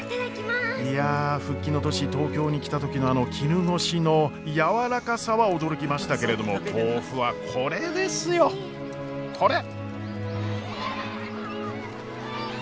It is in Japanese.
いや復帰の年東京に来た時のあの絹ごしの軟らかさは驚きましたけれども豆腐はこれですよこれ！